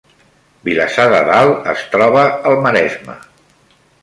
Vilassar de Dalt es troba al Maresme